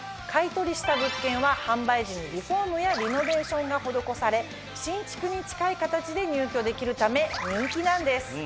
買い取りした物件は販売時にリフォームやリノベーションが施され新築に近い形で入居できるため人気なんです。